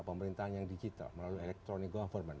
pemerintahan yang digital melalui electronic government